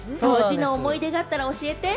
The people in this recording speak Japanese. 思い出があったら教えて。